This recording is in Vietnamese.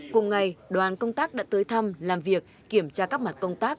cùng ngày đoàn công tác đã tới thăm làm việc kiểm tra các mặt công tác